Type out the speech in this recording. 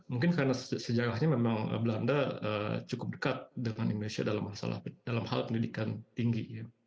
mungkin karena sejarahnya memang belanda cukup dekat dengan indonesia dalam hal pendidikan tinggi